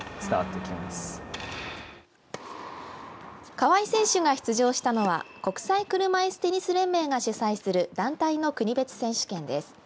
川合選手が出場したのは国際車いすテニス連盟が主催する団体の国別選手権です。